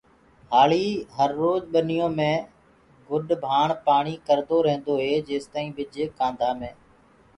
هآݪي هرروج ٻنيو مي گُڏ ڀآڻ پآڻي ڪردو ريهندوئي جيستآئين ٻج ڪآنڌآ مي